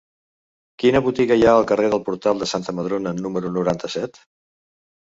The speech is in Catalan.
Quina botiga hi ha al carrer del Portal de Santa Madrona número noranta-set?